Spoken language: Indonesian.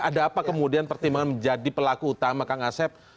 ada apa kemudian pertimbangan menjadi pelaku utama kang asep